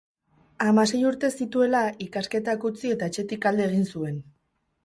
Hamasei urte zituela ikasketak utzi eta etxetik alde egin zuen.